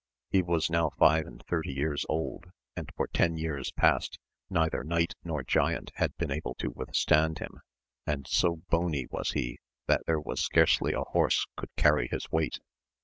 He was now five and thirty years old, and for ten years past neither knight nor giant had been able to withstand him, and so bony was he that there was scarcely a horse could carry his weight.